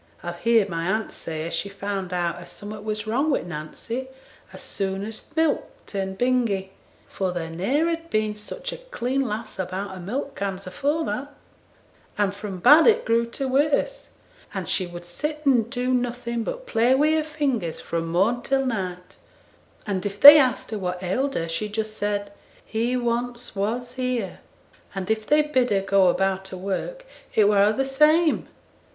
I've heerd my aunt say as she found out as summat was wrong wi' Nancy as soon as th' milk turned bingy, for there ne'er had been such a clean lass about her milk cans afore that; and from bad it grew to worse, and she would sit and do nothing but play wi' her fingers fro' morn till night, and if they asked her what ailed her, she just said, "He once was here;" and if they bid her go about her work, it were a' the same.